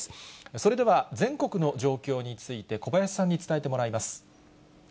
それでは、全国の状況について、小林さんに伝えてもらいます。